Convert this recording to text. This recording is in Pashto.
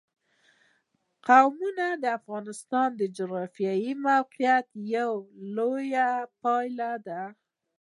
قومونه د افغانستان د جغرافیایي موقیعت یوه لویه پایله ده.